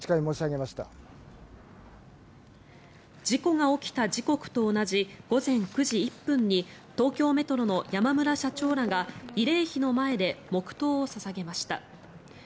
事故が起きた時刻と同じ午前９時１分に東京メトロの山村社長らが慰霊碑の前で黙祷を捧げました。